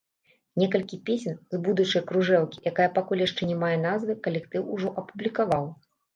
Некалькі песень з будучай кружэлкі, якая пакуль яшчэ не мае назвы, калектыў ужо апублікаваў.